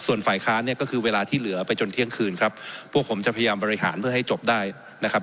ส่วนฝ่ายค้านเนี่ยก็คือเวลาที่เหลือไปจนเที่ยงคืนครับพวกผมจะพยายามบริหารเพื่อให้จบได้นะครับ